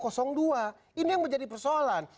ini yang menjadi persoalan